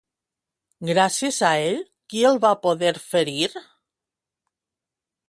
Gràcies a ell, qui el va poder ferir?